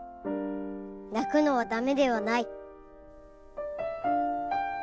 泣くのは駄目ではない。